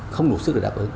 không nụ sức để đáp ứng